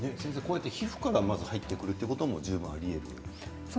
皮膚から入ってくるということも十分ありえるんですか。